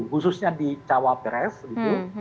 khususnya di cawapres gitu